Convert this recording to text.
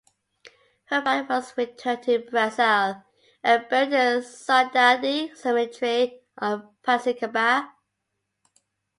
Her body was returned to Brazil and buried in the Saudade Cemetery of Piracicaba.